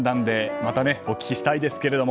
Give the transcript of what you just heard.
またお聴きしたいですけども。